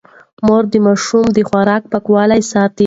مور د ماشوم د خوراک پاکوالی ساتي.